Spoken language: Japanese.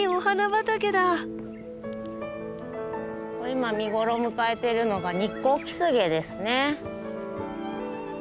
今見頃を迎えてるのがニッコウキスゲですね。